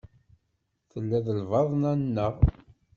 Tella d lbaḍna-nneɣ.